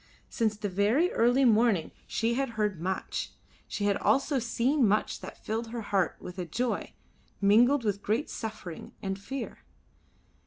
Since the very early morning she had heard much, she had also seen much that filled her heart with a joy mingled with great suffering and fear.